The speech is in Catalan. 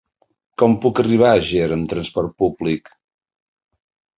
Com puc arribar a Ger amb trasport públic?